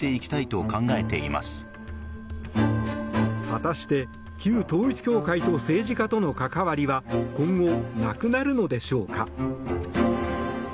果たして、旧統一教会と政治家との関わりは今後なくなるのでしょうか。